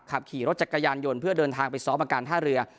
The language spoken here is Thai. ขับขี่รถจักรยานยนต์เพื่อเดินทางไปซ้อมอาการท่าเรือ